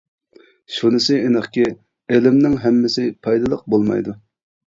شۇنىسى ئېنىقكى، ئىلىمنىڭ ھەممىسى پايدىلىق بولمايدۇ.